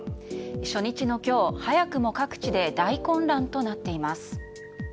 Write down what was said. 初日の今日、早くも各地で大混乱となっています。